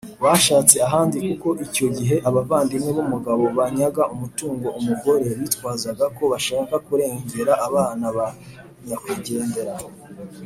bashatse ahandi, kuko icyo gihe abavandimwe b’umugabo banyaga umutungo umugore, bitwaza ko bashaka kurengera abana ba nyakwigendera.